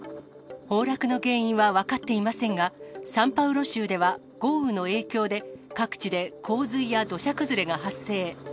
崩落の原因は分かっていませんが、サンパウロ州では豪雨の影響で、各地で洪水や土砂崩れが発生。